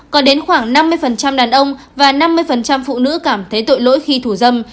có đến khoảng năm mươi đàn ông và năm mươi phụ nữ cảm thấy tội lỗi khi thủ dâm